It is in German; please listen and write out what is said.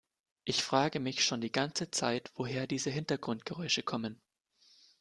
Ich frage mich schon die ganze Zeit, woher diese Hintergrundgeräusche kommen.